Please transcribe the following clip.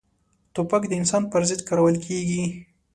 توپک د انسان پر ضد کارول کېږي.